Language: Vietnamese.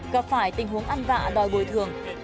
gặp phải tình huống ăn vạ đòi bồi thường